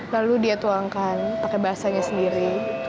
lalu dia tuangkan pakai bahasanya sendiri